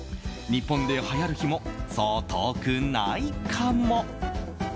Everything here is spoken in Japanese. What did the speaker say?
日本ではやる日もそう遠くないかも。